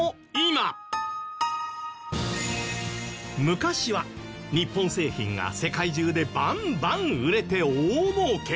昔は日本製品が世界中でバンバン売れて大儲け！